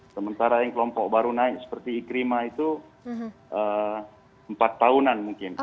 sementara yang kelompok baru naik seperti ikrima itu empat tahunan mungkin